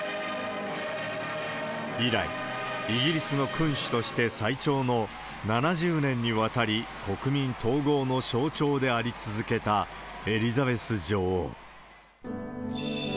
以来、イギリスの君主として最長の７０年にわたり、国民統合の聴覚障害であり続けたエリザベス女王。